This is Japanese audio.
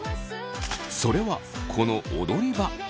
それはこの踊り場。